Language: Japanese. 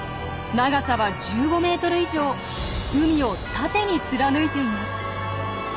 長さは１５ｍ以上海を縦に貫いています。